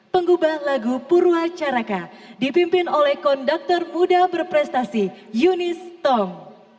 pengubah lagu purwacaraka dipimpin oleh konduktor muda berprestasi yunis tong